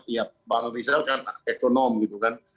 ya bang rizal kan ekonom gitu kan